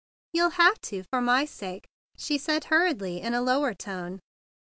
''You'll have to for my sake," she said hurriedly in a lower tone.